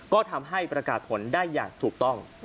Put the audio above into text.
ก็ทำให้ประกาศผลได้อย่างถูกต้อง